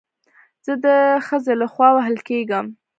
زه د ښځې له خوا وهل کېږم